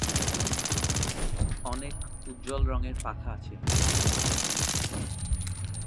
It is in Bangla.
অনেক উজ্জ্বল রঙের পাখা আছে।